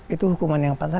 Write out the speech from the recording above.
itu hukuman yang pantas